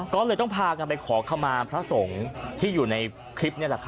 ก็เลยต้องพากันไปขอขมาพระสงฆ์ที่อยู่ในคลิปนี่แหละครับ